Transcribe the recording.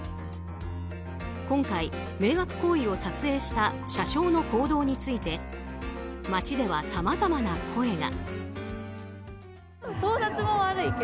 今回、迷惑行為を撮影した車掌の行動について街ではさまざまな声が。